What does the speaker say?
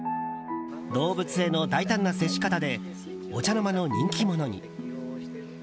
動物への大胆な接し方でお茶の間の人気者に。